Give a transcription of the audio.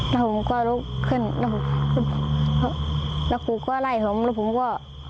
แล้วผมก็ลุกขึ้นแล้วครูก็ไล่ผมแล้วผมก็